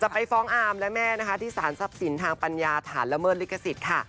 ไปฟ้องอามและแม่นะคะที่สารทรัพย์สินทางปัญญาฐานละเมิดลิขสิทธิ์ค่ะ